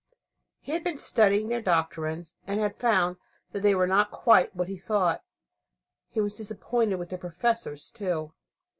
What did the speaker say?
He had been studying their doctrines, and had found that they were not quite what he thought. He was disappointed with their professors too.